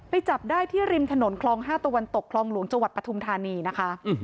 จับได้ที่ริมถนนคลอง๕ตะวันตกคลองหลวงจังหวัดปฐุมธานีนะคะ